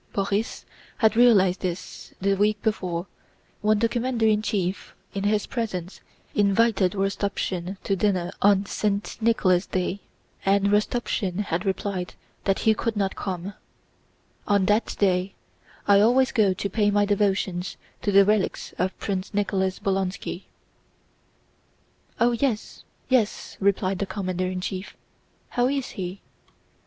Borís had realized this the week before when the commander in chief in his presence invited Rostopchín to dinner on St. Nicholas' Day, and Rostopchín had replied that he could not come: "On that day I always go to pay my devotions to the relics of Prince Nicholas Bolkónski." "Oh, yes, yes!" replied the commander in chief. "How is he?..."